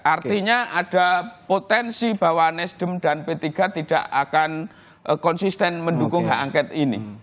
artinya ada potensi bahwa nasdem dan p tiga tidak akan konsisten mendukung hak angket ini